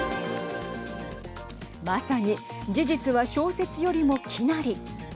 まさに事実は小説よりも奇なり。